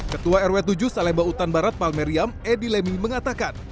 ketua rw tujuh salemba utan barat palmeriam edi lemi mengatakan